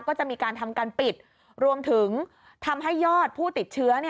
ก็จะมีการทำการปิดรวมถึงทำให้ยอดผู้ติดเชื้อ